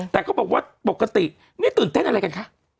แต่เขาบอกว่าปกติไม่ตื่นเต้นอะไรกันคะ